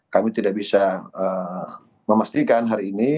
kami tidak bisa memastikan hari ini